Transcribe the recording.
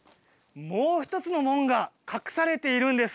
もう一つの門が隠されているんです。